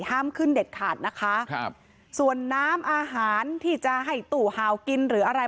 ห้ามขึ้นเด็ดขาดนะคะครับส่วนน้ำอาหารที่จะให้ตู้หาวกินหรืออะไร